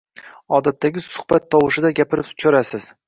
Odatdagi suhbat tovushida gapirib ko‘rasiz.